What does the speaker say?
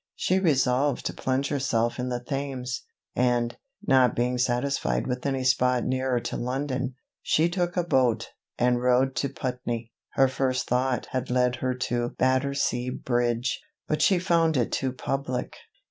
She resolved to plunge herself in the Thames; and, not being satisfied with any spot nearer to London, she took a boat, and rowed to Putney. Her first thought had led her to Battersea bridge, but she found it too public.